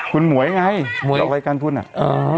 คุณหมวยไงชื่อ